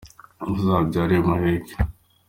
Muzabyare muheke.